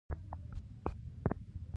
مستو له خیاله کږه وږه شوه.